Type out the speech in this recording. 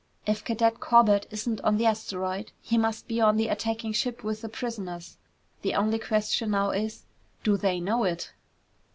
"If Cadet Corbett isn't on the asteroid, he must be on the attacking ship with the prisoners. The only question now is, do they know it?"